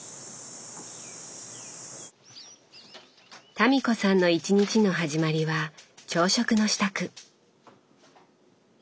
民子さんの１日の始まりは朝食の支度。